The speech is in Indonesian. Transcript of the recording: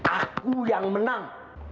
aku yang menang